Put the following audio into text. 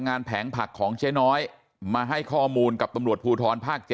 แผงผักของเจ๊น้อยมาให้ข้อมูลกับตำรวจภูทรภาค๗